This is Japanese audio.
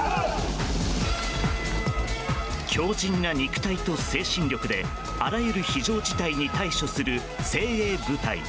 強靭な肉体と精神力であらゆる非常事態に対処する精鋭部隊。